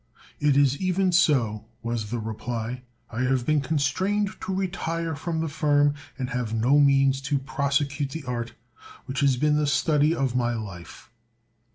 "It is even so," was the reply. "I have been constrained to retire from the firm, and have no means to prosecute the art which has been the study of my life."